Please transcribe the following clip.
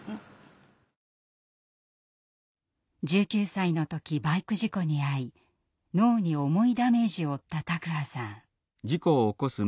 １９歳の時バイク事故に遭い脳に重いダメージを負った卓巴さん。